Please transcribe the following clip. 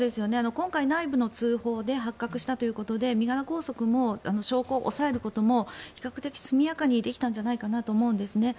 今回、内部の通報で発覚したということで身柄拘束も証拠を押さえることも比較的に速やかにできたのではと思います。